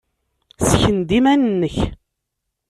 Ssken-d iman-nnek.